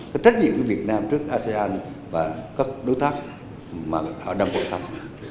có trách nhiệm với việt nam trước asean và các đối tác mà họ đang hội tập